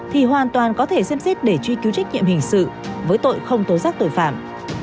thì hoàn toàn có thể xem xét để truy cứu trách nhiệm hình sự với tội không tố giác tội phạm